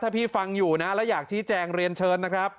ถ้าพี่ฟังอยู่นะแล้วอยากชี้แจงเรียนเชิญนะครับ